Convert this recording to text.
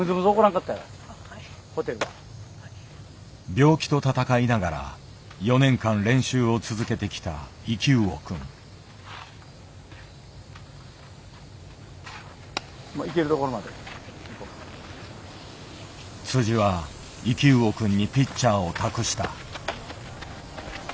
病気と闘いながら４年間練習を続けてきた生魚くん。は生魚くんにピッチャーを託した。